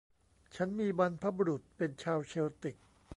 ฉันมีบรรพบุรุษเป็นชาวเชลติก